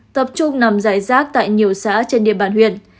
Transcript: tập trung nằm giải rác tại nhiều xã trên địa bàn huyện